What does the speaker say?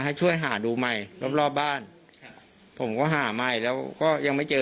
ให้ช่วยหาดูใหม่รอบรอบบ้านครับผมก็หาใหม่แล้วก็ยังไม่เจอ